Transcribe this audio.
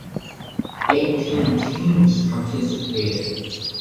Eighteen teams participated.